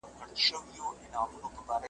ورته اېل یې هم غوایي او هم پیلان کړل .